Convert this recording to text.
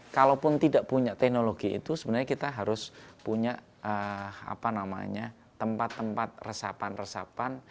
kalaupun tidak punya teknologi itu sebenarnya kita harus punya tempat tempat resapan resapan